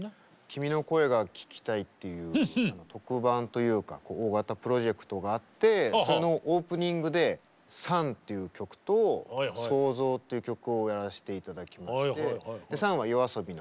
「君の声が聴きたい」っていう特番というか大型プロジェクトがあってそのオープニングで「ＳＵＮ」っていう曲と「創造」っていう曲をやらせて頂きまして「ＳＵＮ」はＹＯＡＳＯＢＩの２人と一緒に。